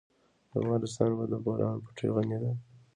افغانستان په د بولان پټي غني دی.